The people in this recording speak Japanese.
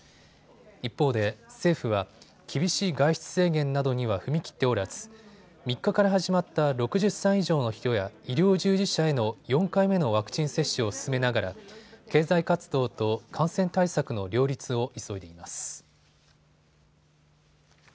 一方で政府は厳しい外出制限などには踏み切っておらず３日から始まった６０歳以上の人や医療従事者への４回目のワクチン接種を進めながら経済活動と感染対策の両立を急いでいます。